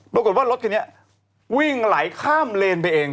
ปรากฏว่ารถคันนี้วิ่งไหลข้ามเลนไปเอง